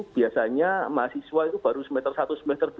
biasanya mahasiswa itu baru semester satu semester dua